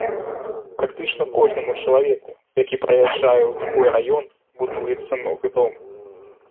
Практычна кожнаму чалавеку, які прыязджае ў такой раён, будуецца новы дом.